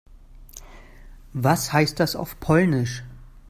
Was heißt das auf Polnisch?